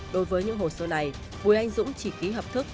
đối với những hồ sơ này bùi anh dũng chỉ ký hợp thức